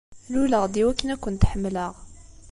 Luleɣ-d i wakken ad kent-ḥemmleɣ.